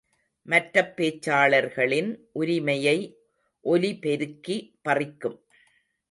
மற்றப் பேச்சாளர்களின் உரிமையை ஒலி பெருக்கி பறிக்கும்.